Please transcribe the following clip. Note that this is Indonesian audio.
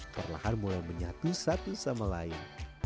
perlahan mulai menyatu satu sama lain